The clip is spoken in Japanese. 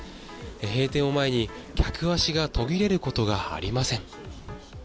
閉店を前に客足が途切れることがありません。